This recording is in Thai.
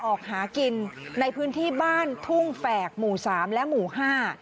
ออกหากินในพื้นที่บ้านทุ่งแฝกหมู่สามและหมู่ห้า